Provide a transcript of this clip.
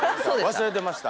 忘れてました。